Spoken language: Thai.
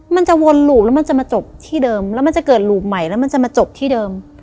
มันจะวนหลูบแล้วมันจะมาจบที่เดิมแล้วมันจะเกิดหลูบใหม่แล้วมันจะมาจบที่เดิม